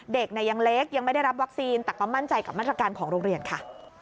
เด็กยังเล็กยังไม่ได้รับวัคซีนแต่ก็มั่นใจกับมาตรการของโรงเรียนค่ะ